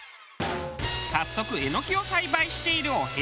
早速エノキを栽培しているお部屋へ。